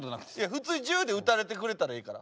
普通に銃で撃たれてくれたらいいから。